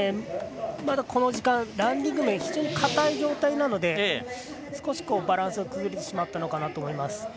まだ、この時間ランディング面が非常にかたい状態なので少しバランスが崩れてしまったと思います。